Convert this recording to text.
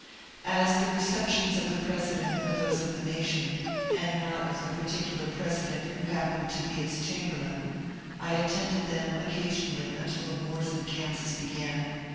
As the receptions of the President were those of the nation, and not of tiie particular President who happened to be its chamberlain, I attended them occasionally until the wars in Kansas began.